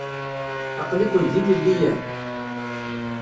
Aql-iken d ilelliyen?